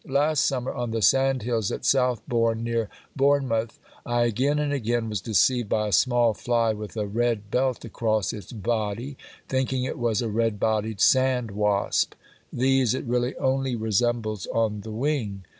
Last summer on the sandhills at Southbourne, near Bournemouth, I again and again was deceived by a small fly with a red belt across its body, thinking it was a red bodied sandwasp. These it really only resembles on the wing.